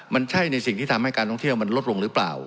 มันใช่ในสิ่งที่ทำให้การท่องเที่ยวมันลดลงหรือเปล่า